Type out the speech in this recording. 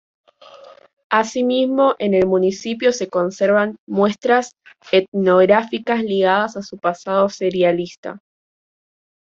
Asimismo, en el municipio se conservan muestras etnográficas ligadas a su pasado cerealista.